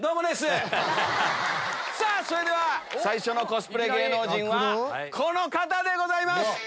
それでは最初のコスプレ芸能人はこの方でございます。